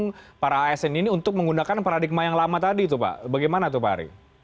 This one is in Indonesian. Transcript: dan dukung para asn ini untuk menggunakan paradigma yang lama tadi itu pak bagaimana itu pak ari